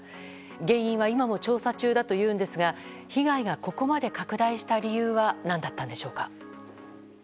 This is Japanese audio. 原因は今も調査中だというんですが被害がここまで拡大した理由は何だったんでしょうか。